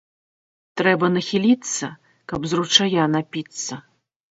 Трэба нахіліцца, каб з ручая напіцца